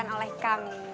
dapatkan oleh kami